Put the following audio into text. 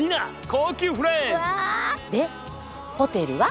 でホテルは？